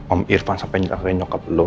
om irvan sampai nyakain nyokap lo